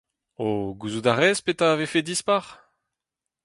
O, gouzout a rez petra a vefe dispar ?